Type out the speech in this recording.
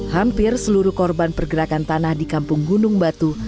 hampir seluruh korban pergerakan tanah di kampung gunung batu